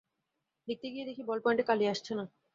লিখতে গিয়ে দেখি বলপয়েন্টে কালি আসছে না।